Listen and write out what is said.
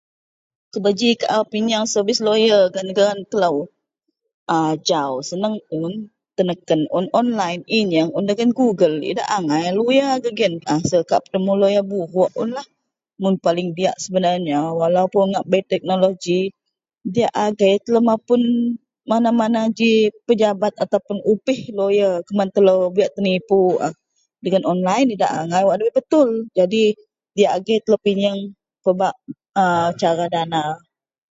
Kuba ji kau pinyeng sevis loyar gak negara kelo, ajau senang un teneken online inyeng un dagen goggle idak angai loyar giyen asal kak betemu loyar buruk unlah mun paling diyak sebenarnya walau puon bei teknoloji diak agei mapun telo mana-mana ji pejabat, atau opis loyar kuman telo buyak tenipu a. Dagen online idak wak dabei betul. Jadi fiyak agei pinyeng cara dana.